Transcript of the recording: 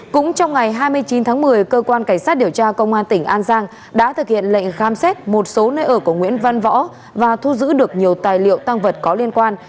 cũng trong ngày hai mươi chín tháng một mươi cơ quan cảnh sát điều tra công an tỉnh an giang đã thực hiện lệnh khám xét một số nơi ở của nguyễn văn võ và thu giữ được nhiều tài liệu tăng vật có liên quan